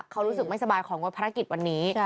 เขารู้สึกไม่สบายของงดภารกิจวันนี้